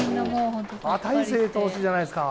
あっ、大勢投手じゃないですか。